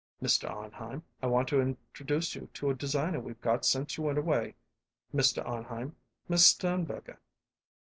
"Mr. Arnheim, I want to introduce you to a designer we've got since you went away. Mr. Arnheim Miss Sternberger."